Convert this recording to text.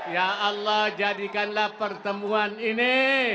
ya allah jadikanlah pertemuan ini